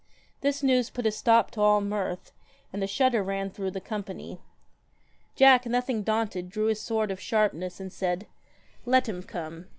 This news put a stop to all mirth, and a shudder ran through the company. Jack, nothing daunted, drew his sword of sharp ness, and said, ' Let him come